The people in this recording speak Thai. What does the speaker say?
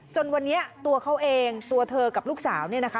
จนวันนี้ตัวเขาเองตัวเธอกับลูกสาวเนี่ยนะคะ